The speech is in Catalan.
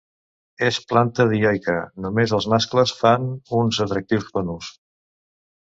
És planta dioica, només els mascles fan uns atractius conus.